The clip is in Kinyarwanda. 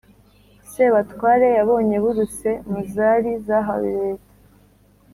sebatware yabonye buruse muzari zahawe leta,